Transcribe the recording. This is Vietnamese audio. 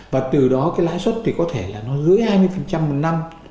và từ đó cái lãi suất thì có thể là nó dưới hai mươi một năm